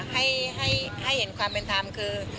ให้เห็นความเป็นธรรมคือ